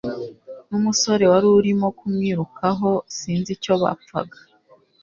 numusore warurimo kumwirukaho, sinzi icyo bapfaga